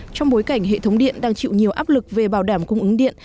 trong bối cảnh hệ thống điện đang chịu nhiều áp lực về bảo đảm cung ứng điện